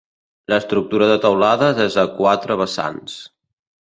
L'estructura de teulades és a quatre vessants.